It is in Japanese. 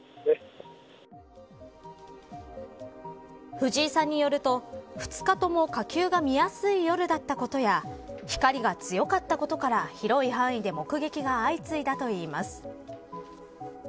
藤井さんによると２日とも火球が見やすい夜だったことや光が強かったことから広い範囲で目撃が相次いだといいます。